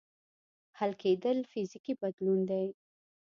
حل کېدل فزیکي بدلون دی.